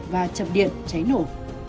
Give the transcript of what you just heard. và chập điện cháy nổ